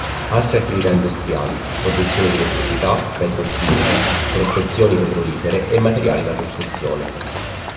Altre attività industriali: Produzione di Elettricità, Petrolchimica, prospezioni petrolifere e materiali da costruzione.